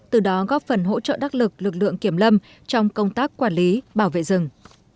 từ đó góp phần hỗ trợ đắc lực lực lượng kiểm lâm trong công tác quản lý bảo vệ rừng